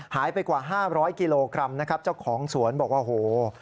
หายไปกว่า๕๐๐กิโลกรัมนะครับเจ้าของสวนบอกว่าโห